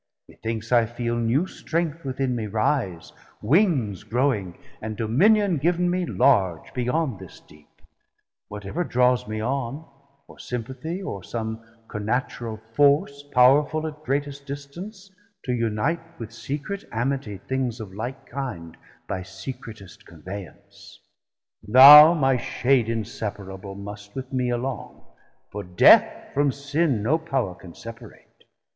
Methinks I feel new strength within me rise, Wings growing, and Dominion giv'n me large Beyond this Deep; whatever drawes me on, Or sympathie, or som connatural force Powerful at greatest distance to unite With secret amity things of like kinde By secretest conveyance. Thou my Shade Inseparable must with mee along: 250 For Death from Sin no power can separate.